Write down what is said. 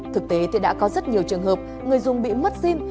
thực tế thì đã có rất nhiều trường hợp người dùng bị mất sim